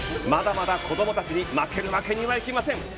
まだまだ子供たちに負けるわけにはいきません！